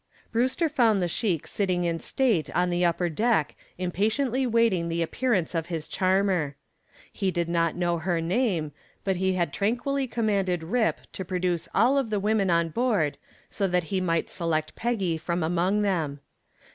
Brewster found the sheik sitting in state on the upper deck impatiently awaiting the appearance of his charmer. He did not know her name, but he had tranquilly commanded "Rip" to produce all of the women on board so that he might select Peggy from among them.